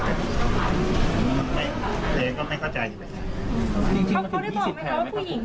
เขาได้บอกไหมครับว่าผู้หญิงแทงตัวเองได้หรือเปล่า